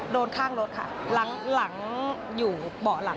โดนข้างรถค่ะหลังอยู่เบาะหลัง